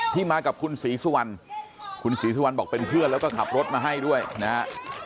มากับคุณศรีสุวรรณคุณศรีสุวรรณบอกเป็นเพื่อนแล้วก็ขับรถมาให้ด้วยนะครับ